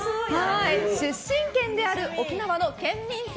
出身県である沖縄の県民性